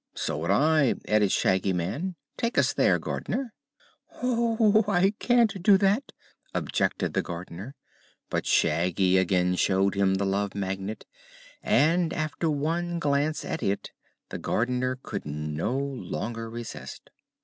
"So would I," added Shaggy Man. "Take us there, Gardener." "Oh, I can't do that," objected the Gardener. But Shaggy again showed him the Love Magnet and after one glance at it the Gardener could no longer resist.